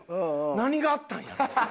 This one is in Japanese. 「何があったんやろ？」。